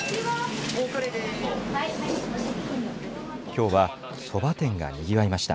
きょうは、そば店がにぎわいました。